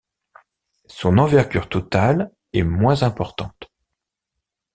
Son envergure totale est moins importante.